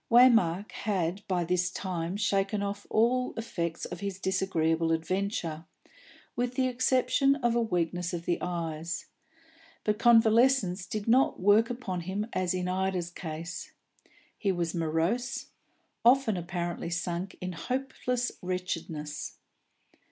Waymark had by this time shaken off all effects of his disagreeable adventure, with the exception of a weakness of the eyes; but convalescence did not work upon him as in Ida's case. He was morose, often apparently sunk in hopeless wretchedness.